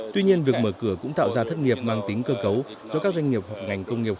tuy nhiên việc mở cửa cũng tạo ra thất nghiệp mang tính cơ cấu do các doanh nghiệp hoặc ngành công nghiệp